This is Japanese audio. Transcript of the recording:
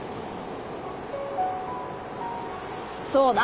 そうだ。